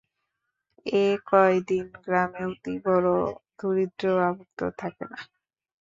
এ কয়দিন গ্রামে অতি বড় দরিদ্রও আভুক্ত থাকে না।